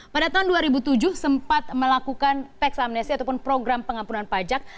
pada tahun dua ribu tujuh sempat melakukan teks amnesty ataupun program pengampunan pajak